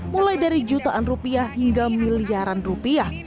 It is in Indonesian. mulai dari jutaan rupiah hingga miliaran rupiah